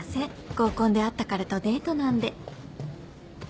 合コンで会った彼とデートなんで。